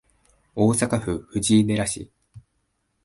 大阪府藤井寺市